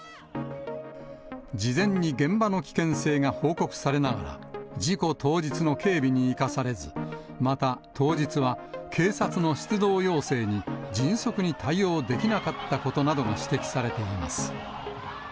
事前に現場の危険性が報告されながら、事故当日の警備に生かされず、また、当日は警察の出動要請に迅速に対応できなかったことなどが指摘されています。